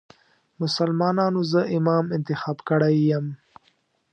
مسلمانانو زه امام انتخاب کړی یم.